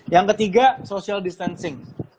yang ketiga social distancing